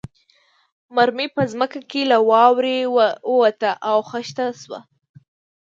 مرمۍ په ځمکه کې له واورې ووته او خښه شوه